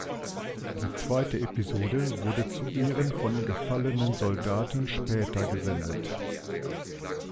Die zweite Episode wurde zu Ehren von gefallenen Soldaten später gesendet.